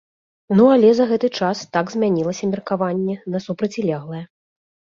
Ну але за гэты час так змянілася меркаванне на супрацьлеглае.